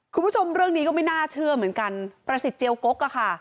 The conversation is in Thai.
คุณผู้ชมเรื่องนี้ก็ไม่น่าเชื่อเหมือนกันประสิทธิเจียวกกอะค่ะ